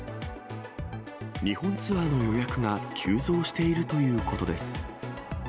日本ツアーの予約が急増しているということです。